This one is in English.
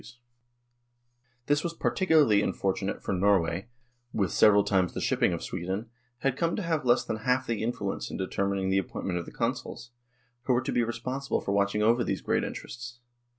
Lagerheim, a short QUESTION OF THE CONSULAR SERVICE 69 This was particularly unfortunate for Norway which, with several times the shipping of Sweden, had come to have less than half the influence in determining the appointment of the Consuls, who were to be responsible for watching over these great interests.